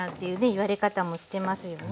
言われ方もしてますよね。